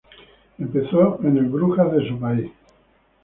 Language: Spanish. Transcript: Empezó en el Brujas de su país.